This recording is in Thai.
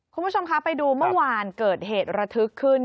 คุณผู้ชมคะไปดูเมื่อวานเกิดเหตุระทึกขึ้น